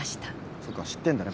そっか知ってんだね